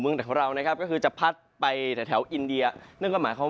เมืองแท่งเวลานะครับก็คือจะพัดไปแต่แถวอินเดียนึกออกมา